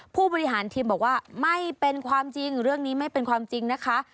ผู้บริหารทีมบอกว่าไม่เป็นความจริงเรื่องนี้ไม่เป็นความจริงนะคะ